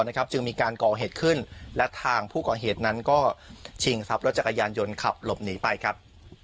จึงมีการก่อเหตุขึ้นและทางผู้ก่อเหตุนั้นก็ชิงทรัพย์รถจักรยานยนต์ขับหลบหนีไปครับ